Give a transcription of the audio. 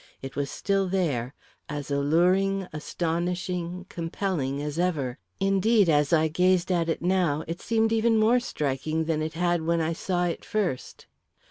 It was still there as alluring, astonishing, compelling as ever. Indeed, as I gazed at it now, it seemed even more striking than it had when I saw it first.